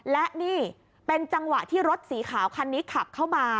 และนี่เป็นจังหวะที่รถสีขาวคันนี้ขับเข้ามา